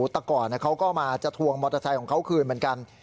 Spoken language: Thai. แต่ก่อนเขาก็มาจะทวงมอเตอร์ไซค์ของเขาคืนเหมือนกัน